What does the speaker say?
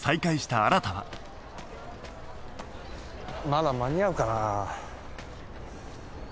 まだ間に合うかな？